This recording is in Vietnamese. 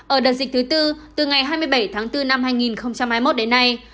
ở đợt dịch thứ tư từ ngày hai mươi bảy tháng bốn năm hai nghìn hai mươi một đến nay